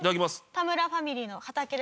田村ファミリーの畑でとれた。